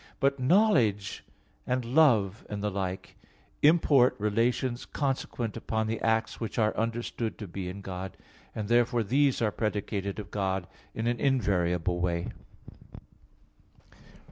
But "knowledge" and "love," and the like, import relations consequent upon the acts which are understood to be in God; and therefore these are predicated of God in an invariable manner.